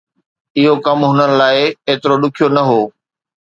اهو ڪم هنن لاءِ ايترو ڏکيو نه هو.